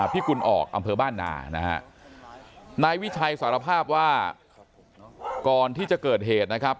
พิกุลออกอำเภอบ้านนานะฮะนายวิชัยสารภาพว่าก่อนที่จะเกิดเหตุนะครับ